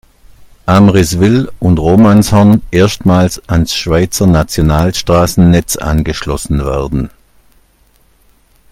Amriswil und Romanshorn erstmals ans Schweizer Nationalstrassennetz angeschlossen werden.